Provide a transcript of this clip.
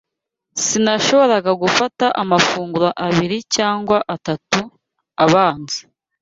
Sinashoboraga gufata amafunguro abiri cyangwa atatu abanza